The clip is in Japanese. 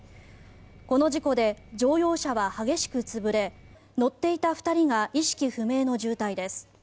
この事故で乗用車は激しく潰れ乗っていた２人が意識不明の重体です。